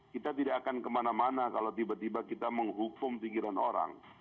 kita tidak akan kemana mana kalau tiba tiba kita menghukum pikiran orang